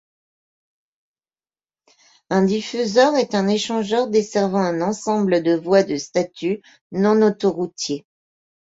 Un diffuseur est un échangeur desservant un ensemble de voies de statut non autoroutier.